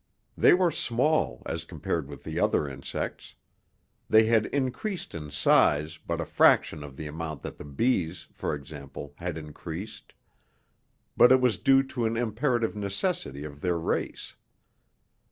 They were small as compared with the other insects. They had increased in size but a fraction of the amount that the bees, for example, had increased; but it was due to an imperative necessity of their race.